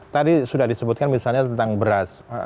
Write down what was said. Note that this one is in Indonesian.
tadi sudah disebutkan misalnya tentang beras